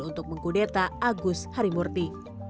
untuk mengkudeta agus harimurti